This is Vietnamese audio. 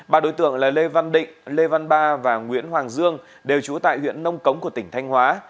ba đối tượng là lê văn định lê văn ba và nguyễn hoàng dương đều trú tại huyện nông cống của tỉnh thanh hóa